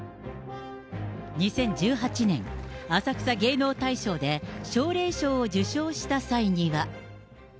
２０１８年、浅草芸能大賞で、奨励賞を受賞した際には。